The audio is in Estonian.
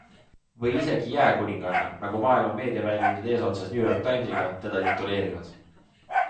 Või isegi jääkuninganna, nagu maailma meediaväljaanded eesotsas New York Timesiga teda tituleerivad.